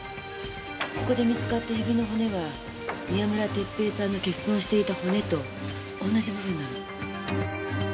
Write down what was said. ここで見つかった指の骨は宮村哲平さんの欠損していた骨と同じ部分なの。